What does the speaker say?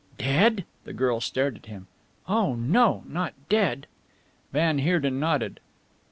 "Dead!" the girl stared at him. "Oh no! Not dead!" Van Heerden nodded.